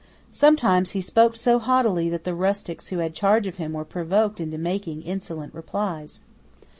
Sometimes he spoke so haughtily that the rustics who had charge of him were provoked into making insolent replies.